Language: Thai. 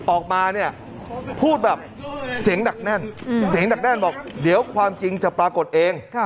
ออกมาพูดแบบเสียงดักแน่นเดี๋ยวความจริงจะปรากฏเอง